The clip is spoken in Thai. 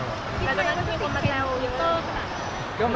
ก็ไม่ได้คิดนะครับผม